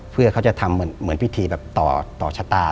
เพื่อเขาจะทำเหมือนพิธีแบบต่อชะตา